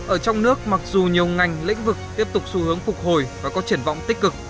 ở trong nước mặc dù nhiều ngành lĩnh vực tiếp tục xu hướng phục hồi và có triển vọng tích cực